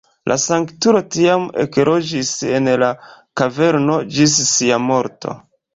La sanktulo tiam ekloĝis en la kaverno ĝis sia morto.